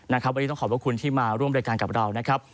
วันนี้ต้องขอบพระคุณที่มาร่วมรายการกับเรานะครับ